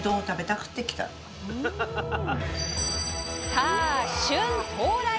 さあ旬到来！